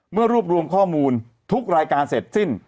รวบรวมข้อมูลทุกรายการเสร็จสิ้น